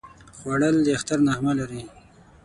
خوړل د اختر نغمه لري